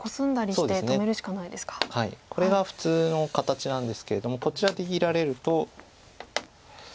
これが普通の形なんですけれどもこちら出切られると。